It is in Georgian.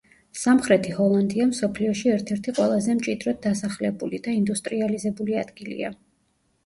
სამხრეთი ჰოლანდია მსოფლიოში ერთ-ერთი ყველაზე მჭიდროდ დასახლებული და ინდუსტრიალიზებული ადგილია.